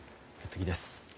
次です。